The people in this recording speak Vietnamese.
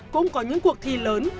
cũng có những cuộc thi lớn